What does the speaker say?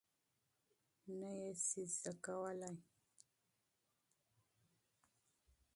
نه یې شې زده کولی؟